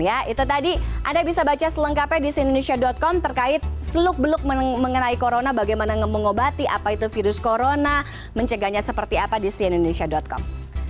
ya itu tadi anda bisa baca selengkapnya di cnnindonesia com terkait seluk beluk mengenai corona bagaimana mengobati apa itu virus corona mencegahnya seperti apa di sianindonesia com